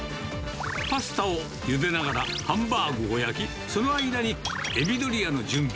パスタをゆでながらハンバーグを焼き、その間にエビドリアの準備。